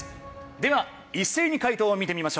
では一斉に解答を見てみましょう。